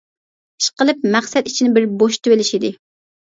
ئىشقىلىپ مەقسەت ئىچىنى بىر بوشىتىۋېلىش ئىدى.